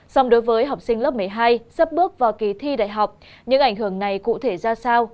xong đối với học sinh lớp một mươi hai sắp bước vào kỳ thi đại học những ảnh hưởng này cụ thể ra sao